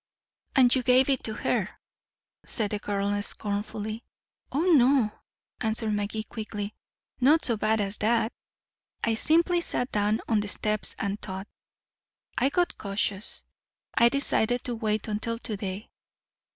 "And you gave it to her," said the girl scornfully. "Oh, no," answered Magee quickly. "Not so bad as that. I simply sat down on the steps and thought. I got cautious. I decided to wait until to day.